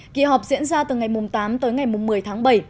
kỳ họp diễn ra từ ngày tám tới ngày một mươi tháng bảy